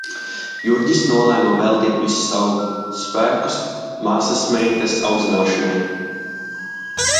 Jurģis nolēma veltīt visus savus spēkus māsasmeitas audzināšanai.